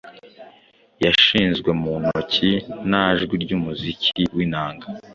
Yashizwe mu ntoki nta jwi ryumuziki winanga